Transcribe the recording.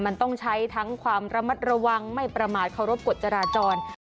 มันต้องใช้ทั้งความระมัดระวังไม่ประมาทเคารพกฎจราจร